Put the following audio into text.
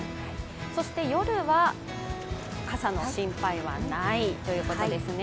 そして夜は、傘の心配はないということですね。